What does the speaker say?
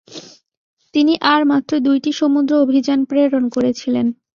তিনি আর মাত্র দুইটি সমুদ্র অভিযান প্রেরণ করেছিলেন।